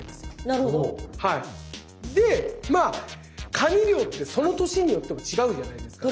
なるほど。でカニ漁ってその年によっても違うじゃないですか。